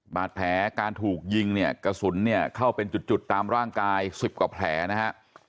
บาดแผลการถูกยิงเนี่ยกระสุนเนี่ยเข้าเป็นจุดตามร่างกาย๑๐กว่าแผลนะฮะ